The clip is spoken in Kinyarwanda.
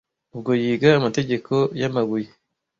ubwo yiga amateka yamabuye